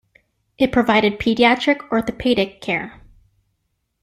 It provided pediatric orthopaedic care.